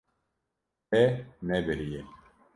Te nebiriye.